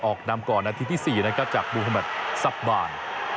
ออกนำก่อนนาทีที่๔จากบุภัมภ์ซับบาล